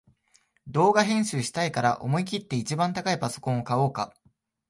動画編集したいから思いきって一番高いパソコン買おうか